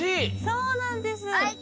そうなんです。